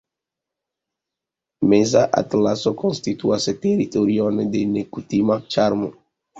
Meza Atlaso konstituas teritorion de nekutima ĉarmo.